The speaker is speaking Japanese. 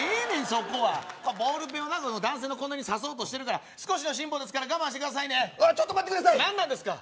そこはボールペンをな男性のここに刺そうとしてるから少しの辛抱ですから我慢してくださいねちょっと待ってください何なんですか？